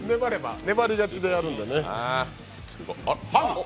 粘り勝ちでやるんでね。